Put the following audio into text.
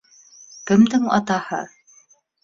Кемдең атаһы?